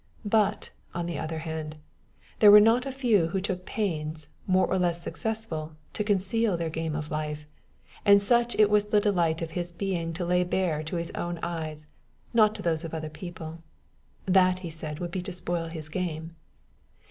But, on the other hand, there were not a few who took pains, more or less successful, to conceal their game of life; and such it was the delight of his being to lay bare to his own eyes not to those of other people; that, he said, would be to spoil his game!